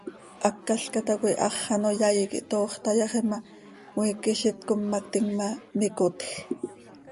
Hácalca tacoi hax ano yaii quih toox tayaxi ma, cmiique z itcommactim ma, micotj.